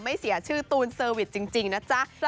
เสียชื่อตูนเซอร์วิสจริงนะจ๊ะ